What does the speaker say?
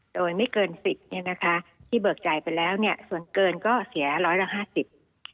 โดยไม่เกินสิบเนี้ยนะคะที่เบิกจ่ายไปแล้วเนี่ยส่วนเกินก็เสียร้อยละห้าสิบ